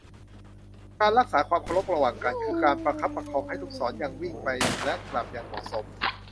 การรักษาความเคารพระหว่างกัน คือการประคับประคองให้ลูกศรยังวิ่งไปและกลับอย่างเหมาะสม